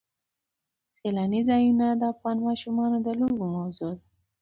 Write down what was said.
سیلاني ځایونه د افغان ماشومانو د لوبو موضوع ده.